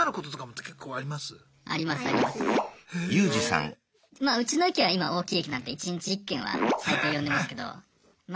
まあうちの駅は今大きい駅なんで１日１件は最低呼んでますけどま